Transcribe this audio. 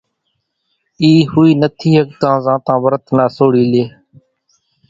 اِي ۿوئي نٿي ۿڳتان زانتان ورت نا سوڙي لئي